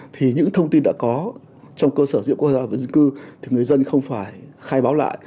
thì những thông tin đã có trong cơ sở dữ liệu quốc gia và dân cư thì người dân không phải khai báo lại